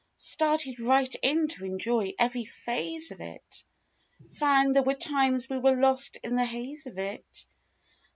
Started right in to enjoy every phase of it; Found there were times we were lost in the haze of it.